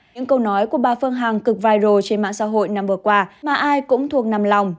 những câu nói của bà phương hằng cực vài rồ trên mạng xã hội năm vừa qua mà ai cũng thuộc nằm lòng